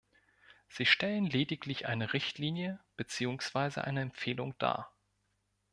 Sie stellen lediglich eine Richtlinie, beziehungsweise eine Empfehlung dar.